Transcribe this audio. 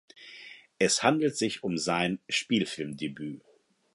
Es handelt sich um sein Spielfilmdebüt.